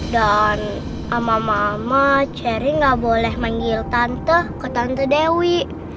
dan sama mama jerry gak boleh manggil tante ke tante dewi